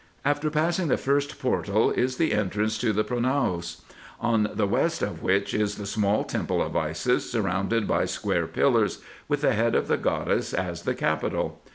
After passing the first portal is the entrance to the pronaos ; on the west of which is the small temple of Isis, surrounded by square pillars, with the head of the goddess as the capital.